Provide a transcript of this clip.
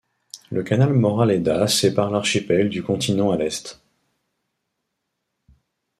Le canal Moraleda sépare l'archipel du continent à l'est.